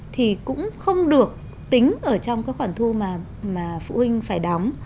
thì cũng không được tính ở trong các khoản thu mà phụ huynh phải đóng